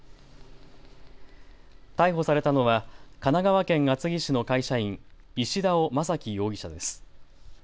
逮捕されたのは神奈川県厚木市の会社員、石田尾督樹容疑者です。